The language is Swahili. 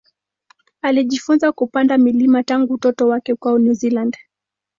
Alijifunza kupanda milima tangu utoto wake kwao New Zealand.